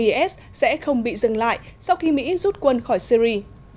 is sẽ không bị dừng lại sau khi mỹ rút quân khỏi syri